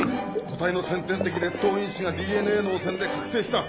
個体の先天的劣等因子がＤＮＡの汚染で覚醒した！